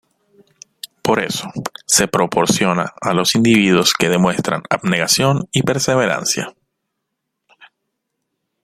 Por eso, se proporciona a los individuos que demuestran abnegación y perseverancia.